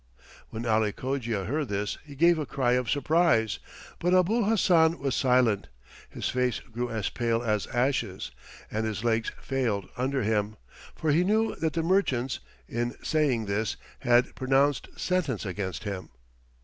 When Ali Cogia heard this he gave a cry of surprise, but Abul Hassan was silent; his face grew as pale as ashes, and his legs failed under him, for he knew that the merchants, in saying this, had pronounced sentence against him.